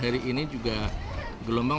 jadi bisa menurutnya saya berpendapat dengan ini